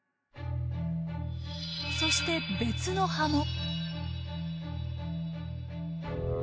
そして別の葉も。